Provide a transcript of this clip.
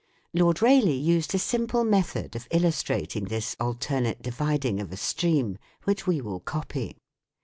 Lord Rayleigh used a simple method of illus trating this alternate dividing of a stream, which we will copy.